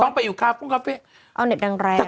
ต้องไปอยู่คาเฟ่เอาเน็ตดังแรง